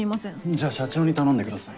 じゃあ社長に頼んでください。